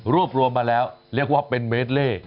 รวมมาแล้วเรียกว่าเป็นเมดเล่